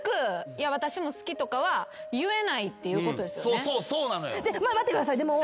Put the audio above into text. そうそうそうなのよ。